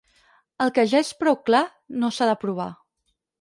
El que ja és prou clar no s'ha de provar.